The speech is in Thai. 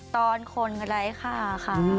ตอนคนไร้ค่าค่ะ